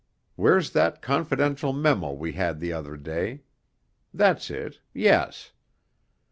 Where's that confidential memo. we had the other day? That's it, yes.